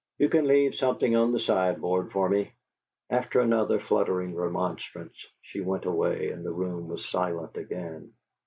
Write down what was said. "You can leave something on the sideboard for me." After another fluttering remonstrance, she went away, and the room was silent again.